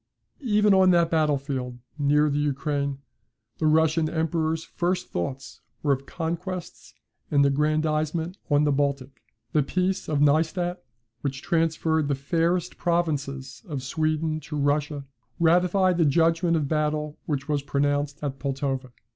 Even on that battle field, near the Ukraine, the Russian emperor's first thoughts were of conquests and aggrandisement on the Baltic. The peace of Nystadt, which transferred the fairest provinces of Sweden to Russia, ratified the judgment of battle which was pronounced at Pultowa.